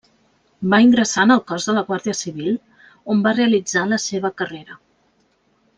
Va ingressar en el cos de la Guàrdia Civil, on va realitzar la seva carrera.